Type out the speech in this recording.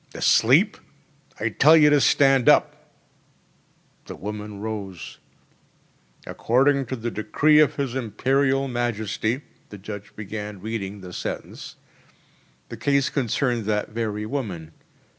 “Asleep! I tell you to stand up!‚ÄĚ The woman rose. “According to the decree of his Imperial Majesty ‚ÄĚ the judge began reading the sentence. The case concerned that very woman.